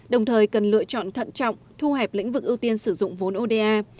đồng thời cần lựa chọn thận trọng thu hẹp lĩnh vực ưu tiên sử dụng vốn oda